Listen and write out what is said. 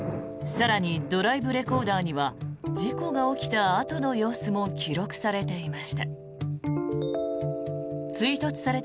更に、ドライブレコーダーには事故が起きたあとの様子も記録されていました。